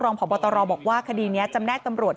รองผ่อบอตรอบอกว่าคดีนี้จะแน่ตำรวจ